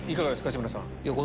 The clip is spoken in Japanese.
志村さん。